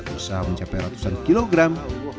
usaha mencapai ratusan kilogram